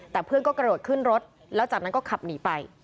แต่เพื่อนก็กระโดดขึ้นรถแล้วจากนั้นก็ขับหนีไป